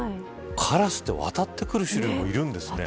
カラスって渡ってくる種類もいるんですね。